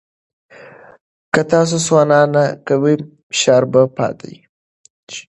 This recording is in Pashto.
که تاسو سونا نه کوئ، فشار به پاتې شي.